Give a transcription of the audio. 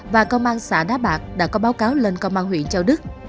và công an xã đá bạc đã có báo cáo lên công an huyện châu đức